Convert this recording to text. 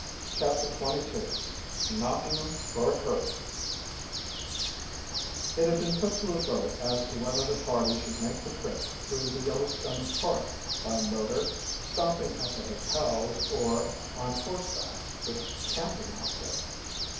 CHAPTER XXII "KNOCKING 'EM FOR A CURVE" It had been put to a vote as to whether the party should make the trip through the Yellowstone Park by motor, stopping at the hotels, or on horseback with a camping outfit.